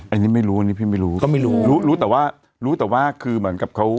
อันนี้ไม่รู้อันนี้พี่ไม่รู้ก็ไม่รู้รู้รู้แต่ว่ารู้แต่ว่าคือเหมือนกับเขา